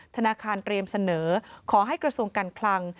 ธนาคารเตรียมเสนอขอให้กระทรวงการคลัง